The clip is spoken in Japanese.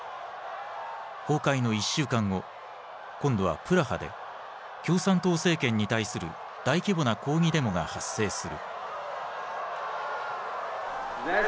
崩壊の１週間後今度はプラハで共産党政権に対する大規模な抗議デモが発生する。